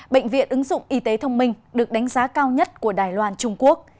bệnh viện ứng dụng y tế thông minh được đánh giá cao nhất của đài loan trung quốc